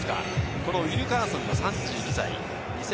ウィルカーソンは３２歳。